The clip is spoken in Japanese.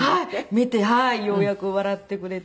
見てようやく笑ってくれていて。